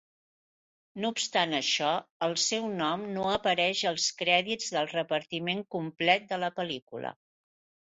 No obstant això, el seu nom no apareix als crèdits del repartiment complet de la pel·lícula.